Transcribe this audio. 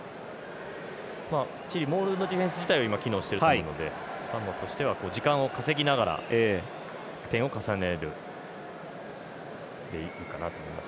チリモールのディフェンス自体は今、機能してると思うのでサモアとしては時間を稼ぎながら点を重ねるでいいかなと思います。